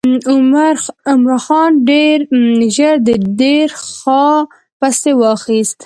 عمرا خان ډېر ژر د دیر خان پسې واخیست.